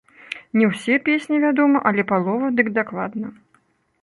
Не ўсе песні, вядома, але палова, дык дакладна.